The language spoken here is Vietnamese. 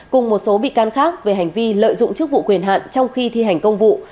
cùng một số bị can khác về hành vi lợi dụng chức vụ quyền hạn trong khi thi hành công vụ